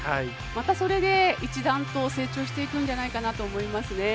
また、それで一段と成長していくんじゃないかなと思いますね。